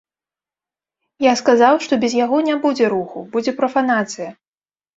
Я сказаў, што без яго не будзе руху, будзе прафанацыя.